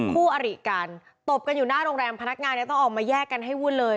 คู่อริกันตบกันอยู่หน้าโรงแรมพนักงานเนี่ยต้องออกมาแยกกันให้วุ่นเลย